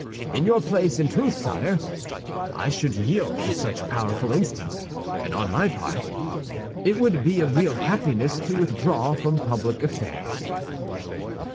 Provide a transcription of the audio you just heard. In your place, in truth, sire, I should yield to such powerful instance; and on my part, it would be a real happiness to withdraw from public affairs."